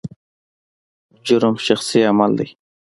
جرم شخصي عمل دی.